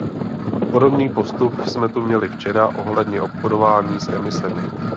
Podobný postup jsme tu měli včera ohledně obchodování s emisemi.